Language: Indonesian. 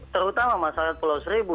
terutama masyarakat pulau seribu